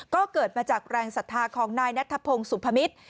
ก็เกิดมาจากแรงศรัทธาของนายนัทพงศ์สุพมิตร